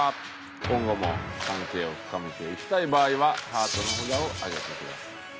今後も関係を深めていきたい場合はハートの札を上げてください。